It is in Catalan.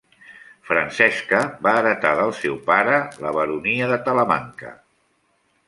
Francesca va heretar del seu pare la baronia de Talamanca.